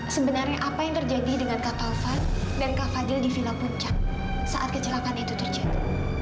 sebenarnya apa yang terjadi dengan kapal van dan ka fadil di villa puncak saat kecelakaan itu terjadi